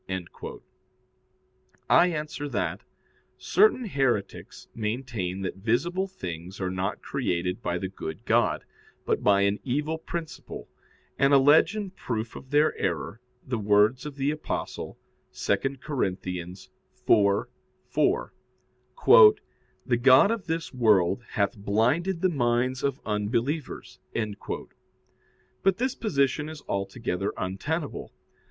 I answer that, Certain heretics maintain that visible things are not created by the good God, but by an evil principle, and allege in proof of their error the words of the Apostle (2 Cor. 4:4), "The god of this world hath blinded the minds of unbelievers." But this position is altogether untenable.